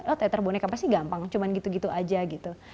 oh teater boneka pasti gampang cuma gitu gitu aja gitu